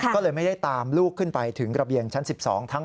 ก็เลยไม่ได้ตามลูกขึ้นไปถึงระเบียงชั้น๑๒ทั้ง